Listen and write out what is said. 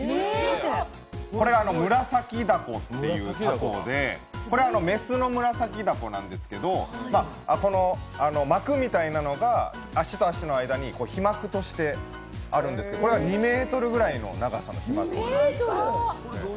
これ、ムラサキダコっていうタコで、雌のムラサキダコなんですけど、膜みたいなのが足と足の間に皮膜としてあるんですけど、これは２ｍぐらいの長さの皮膜。